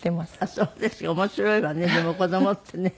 面白いわねでも子供ってね。